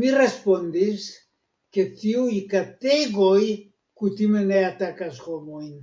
Mi respondis, ke tiuj kategoj kutime ne atakas homojn.